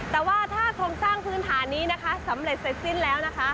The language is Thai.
ถ้าพรงสร้างพื้นฐานนี้สำเร็จใส่สิ้นแล้ว